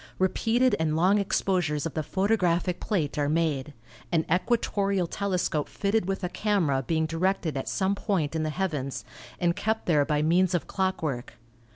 Repeated and long exposures of the photographic plate are made, an equatorial telescope fitted with a camera being directed at some point in the heavens, and kept there by means of clockwork.